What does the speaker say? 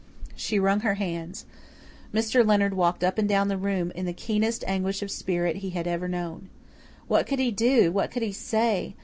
She wrung her hands. Mr. Leonard walked up and down the room in the keenest anguish of spirit he had ever known. What could he do? What could he say?